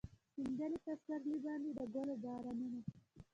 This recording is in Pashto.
شیندلي پسرلي باندې د ګلو بارانونه